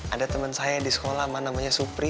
ada temen saya di sekolah mah namanya supri